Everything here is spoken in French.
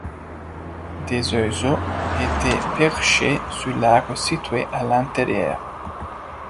Des oiseaux étaient perchés sur l'arbre situé à l'intérieur.